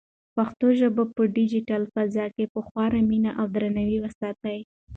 پښتو ژبه په ډیجیټل فضا کې په خورا مینه او درناوي وساتئ.